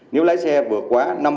nếu lái xe vượt quá